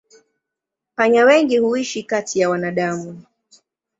Panya wengi huishi kati ya wanadamu.